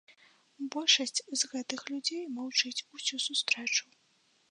Большасць з гэтых людзей маўчыць усю сустрэчу.